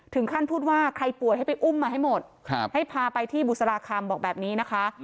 ถึงขั้นพูดว่าใครป่วยให้ไปอุ้มมาให้หมดให้พาไปที่บุษราคำบอกแบบนี้นะคะ